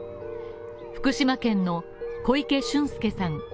福島県の小池駿介さん